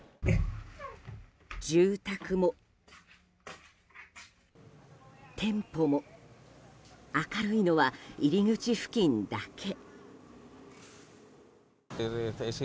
住宅も、店舗も明るいのは入り口付近だけ。